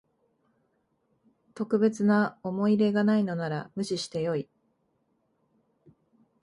特別な思い入れがないのなら無視してよい